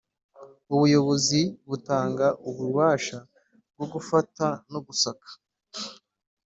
Ubuyobozi butanga ububasha bwo gufata no gusaka